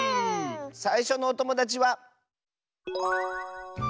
さいしょのおともだちは。